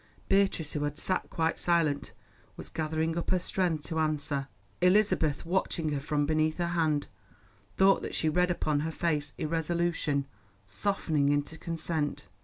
Beatrice, who had sat quite silent, was gathering up her strength to answer. Elizabeth, watching her from beneath her hand, thought that she read upon her face irresolution, softening into consent.